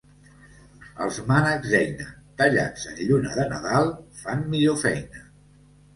Els mànecs d'eina tallats en lluna de Nadal fan millor feina.